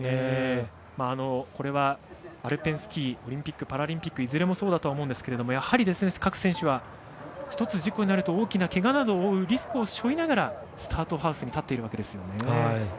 これはアルペンスキーオリンピック・パラリンピックいずれもそうだと思いますがやはり各選手は事故になると、大きなけがを負うリスクを背負いながらスタートハウスに立っているわけですよね。